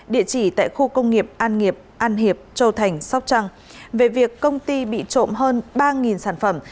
địa chỉ tại khu công nghiệp an nghiệp an hiệp châu thành sóc trăng về việc công ty bị trộm hơn ba sản phẩm